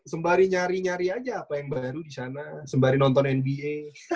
sembari nyari nyari aja apa yang baru di sana sembari nonton nba